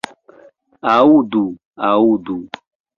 Aŭdu, aŭdu.